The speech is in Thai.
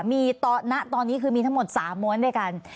มีตอนนี้คือมีทั้งหมด๓ม้วนด้วยกัน